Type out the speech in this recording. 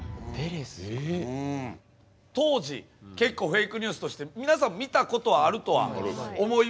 当時結構フェイクニュースとして皆さん見たことはあるとは思いますけども。